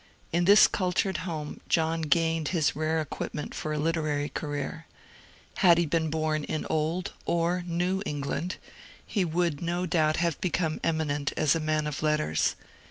In this cultured home John gained his rare equipment for a literary career ; had he been bom in Old or New England, he would no doubt have become eminent as a man of letters.